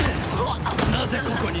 なぜここに！？